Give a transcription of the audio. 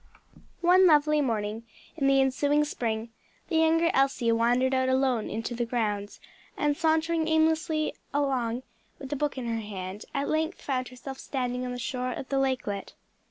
One lovely morning in the ensuing spring, the younger Elsie wandered out alone into the grounds, and sauntering aimlessly along with a book in her hand, at length found herself standing on the shore of the lakelet.